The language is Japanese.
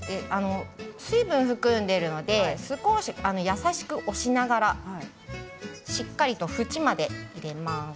水分を含んでいるので優しく押しながらしっかりと縁まで入れます。